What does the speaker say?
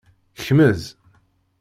Kmez.